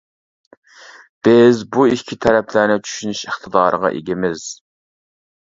بىز بۇ ئىككى تەرەپلەرنى چۈشىنىش ئىقتىدارىغا ئىگىمىز.